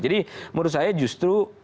jadi menurut saya justru